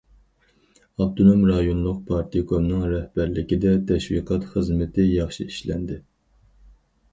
ئاپتونوم رايونلۇق پارتكومنىڭ رەھبەرلىكىدە، تەشۋىقات خىزمىتى ياخشى ئىشلەندى.